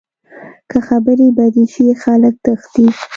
که خبرې بدې شي، خلک تښتي